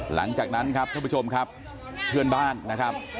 หลังจากนั้นครับท่านผู้ชมครับเพื่อนบ้านนะครับ